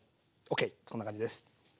ＯＫこんな感じです。